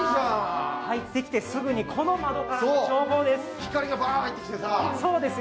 入ってきてすぐに、この窓からの眺望です。